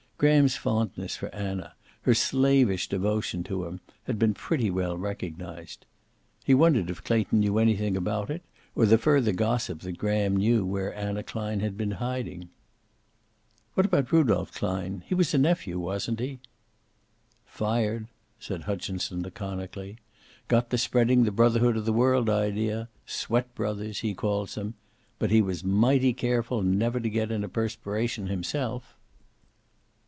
Graham's fondness for Anna, her slavish devotion to him, had been pretty well recognized. He wondered if Clayton knew anything about it, or the further gossip that Graham knew where Anna Klein had been hiding. "What about Rudolph Klein? He was a nephew, wasn't he?" "Fired," said Hutchinson laconically. "Got to spreading the brotherhood of the world idea sweat brothers, he calls them. But he was mighty careful never to get in a perspiration himself."